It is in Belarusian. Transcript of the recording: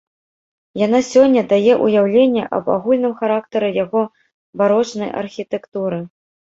Яна сёння дае ўяўленне аб агульным характары яго барочнай архітэктуры.